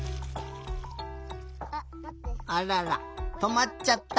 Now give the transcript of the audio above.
あららとまっちゃった。